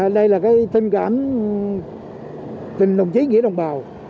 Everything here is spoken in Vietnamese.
đây là cái tâm cảm tình đồng chí nghĩa đồng bào